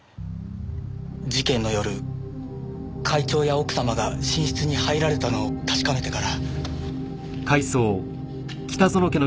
事件の夜会長や奥様が寝室に入られたのを確かめてから。